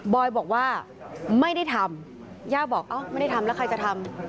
อยบอกว่าไม่ได้ทำย่าบอกเอ้าไม่ได้ทำแล้วใครจะทำ